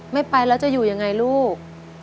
ไม่ไปแล้วจะอยู่ยังไงลูก